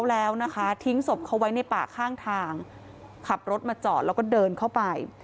แล้วนะคะทิ้งศพเขาไว้ในป่าข้างทางขับรถมาจอดแล้วก็เดินเข้าไป